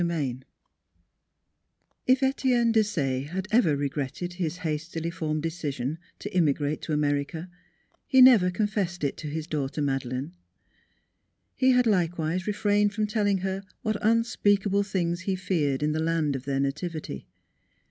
XII IF Etienne Desaye had ever regretted his hastily formed decision to immigrate to America he never confessed it to his daugh ter Madeleine. He had likewise refrained from telling her what unspeakable things he feared in the land of their nativity.